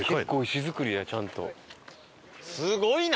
すごいな！